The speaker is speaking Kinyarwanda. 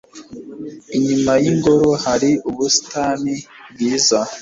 Inyuma yingoro hari ubusitani bwiza.